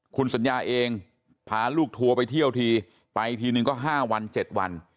คุณสัญญาเองพาลูกทัวร์ไปเที่ยวทีไปทีนึงก็๕วัน๗วัน